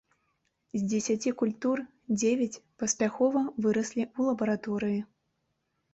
З дзесяці культур дзевяць паспяхова выраслі ў лабараторыі.